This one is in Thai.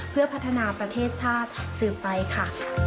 เพื่อพัฒนาประเทศชาติสืบไปค่ะ